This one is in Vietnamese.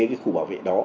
cái khu bảo vệ đó